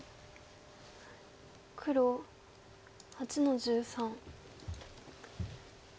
黒８の十三。